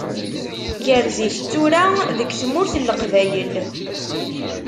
Gar zik d tura deg tmurt n leqbayel.